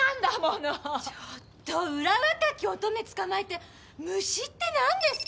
ちょっとうら若き乙女つかまえて虫って何ですか！？